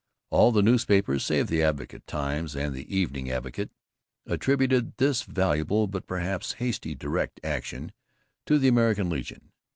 All of the newspapers save the Advocate Times and the Evening Advocate attributed this valuable but perhaps hasty direct action to the American Legion.